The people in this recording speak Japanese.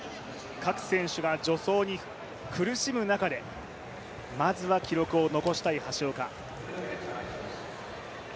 各選手が助走に苦しむ中でまずは記録を残したい橋岡。